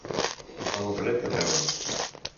Fer un fred que pela.